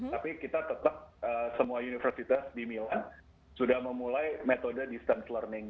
tapi kita tetap semua universitas di milan sudah memulai metode distance learning